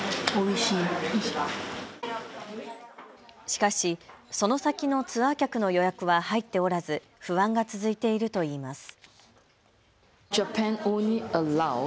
しかし、その先のツアー客の予約は入っておらず不安が続いているといいます。